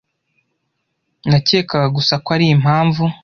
Nakekaga gusa ko arimpamvu.